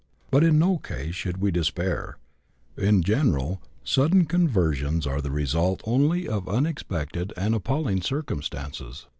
But in no case should we despair ; in general sudden conversions are the result only of unexpected and appalling circumstances.